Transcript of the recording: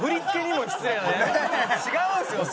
違うんですよ。